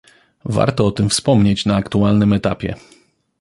Warto o tym wspomnieć na aktualnym etapie